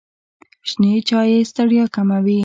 شنې چایی ستړیا کموي.